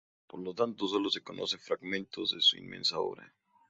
Por tanto, sólo se conocen fragmentos de su inmensa obra.